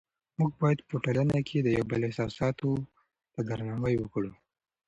موږ باید په ټولنه کې د یو بل احساساتو ته درناوی وکړو